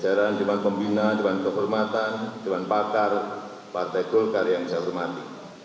jajaran jemaat pembina jemaat kehormatan jemaat pakar partai kulkara yang saya hormati